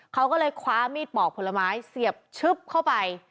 เขาก็เลยคว้ามีดปอกผลไม้เสียบชึบเข้าไป